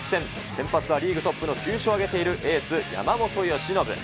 先発はリーグトップの９勝を挙げているエース、山本由伸。